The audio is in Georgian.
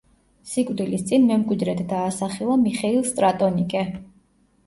სიკვდილის წინ მემკვიდრედ დაასახელა მიხეილ სტრატონიკე.